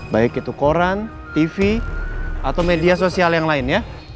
baik itu koran tv atau media sosial yang lainnya